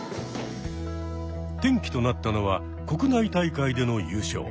転機となったのは国内大会での優勝。